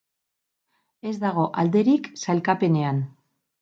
Ez dago alderik sailkapenean.